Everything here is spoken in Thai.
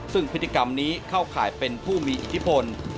ซึ่งพฤติกรรมนี้เข้าข่ายเป็นผู้มีอิทธิพล